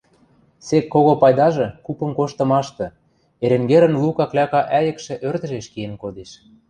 Сек кого пайдажы купым коштымашты: Эренгерӹн лу какляка ӓйӹкшӹ ӧрдӹжеш киэн кодеш